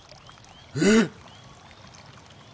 えっ！